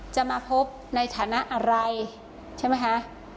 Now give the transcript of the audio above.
จะมาพบในฐานะอะไรใช่ไหมคะ